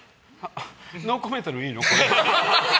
ノーコメントでもいいの？